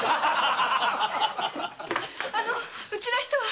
あのうちの人は？